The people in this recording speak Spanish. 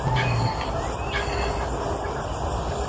Las hojas son lanceoladas y de corto pedicelo.